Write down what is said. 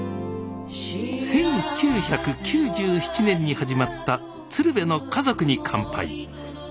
１９９７年に始まった「鶴瓶の家族に乾杯」。